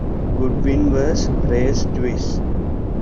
Goodwin was raised Jewish.